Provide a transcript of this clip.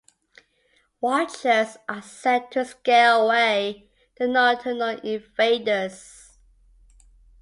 Watchers are set to scare away the nocturnal invaders.